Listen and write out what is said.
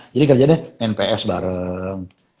jadi kerjanya main ps bareng